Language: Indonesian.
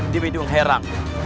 di widung heron